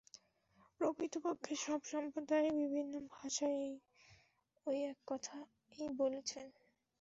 প্রকৃতপক্ষে সব সম্প্রদায়ই বিভিন্ন ভাষায় ঐ এক কথাই বলছেন।